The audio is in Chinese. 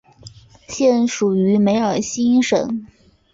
现属于梅尔辛省。